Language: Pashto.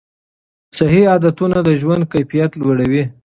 صحي عادتونه د ژوند کیفیت لوړوي.